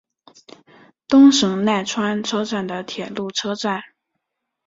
东神奈川车站的铁路车站。